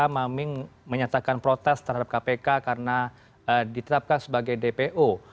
maming menyatakan protes terhadap kpk karena ditetapkan sebagai dpo